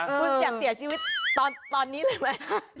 คุณอยากเสียชีวิตตอนนี้เลยไหม